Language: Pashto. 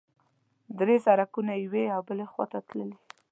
درې سړکونه یوې او بلې خوا ته تللي.